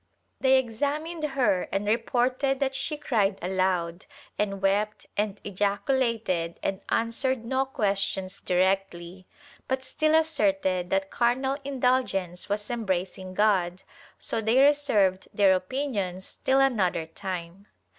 They examined her and reported that she cried aloud and wept and ejaculated and answered no questions directly, but still asserted that carnal indulgence was embracing God, so they reserved their opinions till another time.